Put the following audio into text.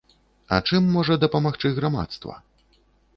А чым можа дапамагчы грамадства?